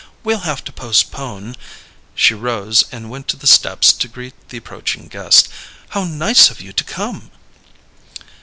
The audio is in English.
We'll have to postpone " She rose and went to the steps to greet the approaching guest. "How nice of you to come!"